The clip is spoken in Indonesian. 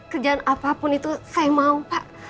kerjaan apapun itu saya mau pak